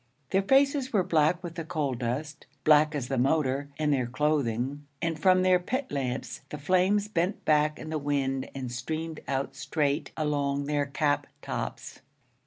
Their faces were black with the coal dust, black as the motor and their clothing, and from their pit lamps the flames bent back in the wind and streamed out straight along their cap tops.